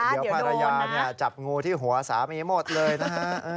เดี๋ยวภรรยาจับงูที่หัวสามีหมดเลยนะฮะ